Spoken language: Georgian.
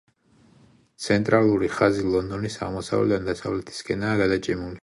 ცენტრალური ხაზი ლონდონის აღმოსავლეთიდან დასავლეთისკენაა გადაჭიმული.